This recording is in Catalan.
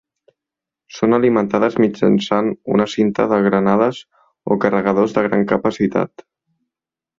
Són alimentades mitjançant una cinta de granades o carregadors de gran capacitat.